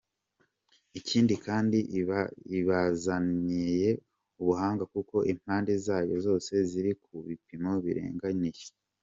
Ikindi kandi, ibazanyije ubuhanga kuko impande zayo zose ziri ku bipimo biringaniye.